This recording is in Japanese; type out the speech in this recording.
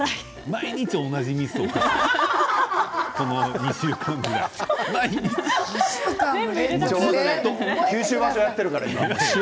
毎日同じミスを犯す今九州場所やっているから塩。